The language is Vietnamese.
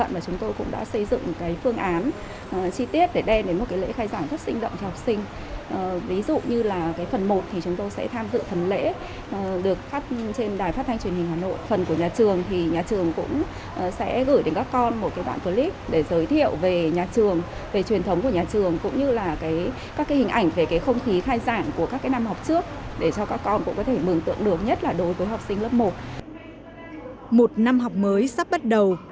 một năm học mới sắp bắt đầu